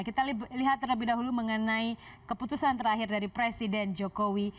kita lihat terlebih dahulu mengenai keputusan terakhir dari presiden jokowi